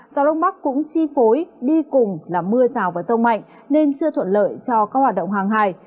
gió đông bắc cũng chi phối đi cùng là mưa rào và rông mạnh nên chưa thuận lợi cho các hoạt động hàng hài